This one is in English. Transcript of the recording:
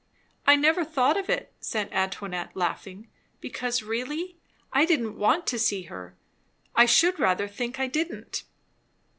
"I never thought of it," said Antoinette laughing. "Because, really, I didn't want to see her. I should rather think I didn't!"